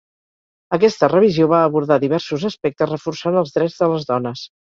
Aquesta revisió va abordar diversos aspectes reforçant els drets de les dones.